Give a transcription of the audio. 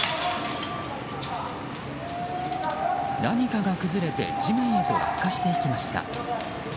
何かが崩れて地面へと落下していきました。